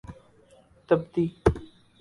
تبتی